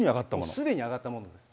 すでに上がったものです。